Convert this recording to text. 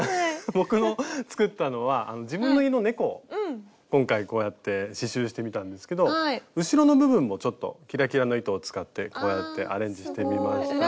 僕の作ったのは自分の家の猫を今回こうやって刺しゅうしてみたんですけど後ろの部分もキラキラの糸を使ってこうやってアレンジしてみました。